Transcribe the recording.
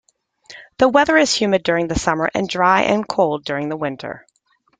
The weather is humid during the summer and dry and cold during the winter.